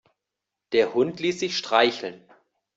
Der Hund ließ sich streicheln.